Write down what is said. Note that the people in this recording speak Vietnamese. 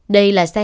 đây là xe khách